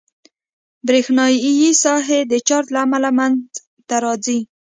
برېښنایي ساحه د چارج له امله منځته راځي.